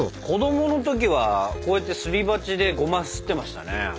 子どもの時はこうやってすり鉢でごますってましたね。